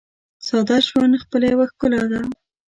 ساده ژوند خپله یوه ښکلا ده.